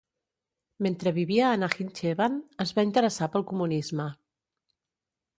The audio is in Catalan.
Mentre vivia a Nakhichevan, es va interessar pel comunisme.